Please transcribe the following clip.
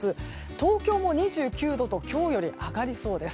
東京も２９度と今日より上がりそうです。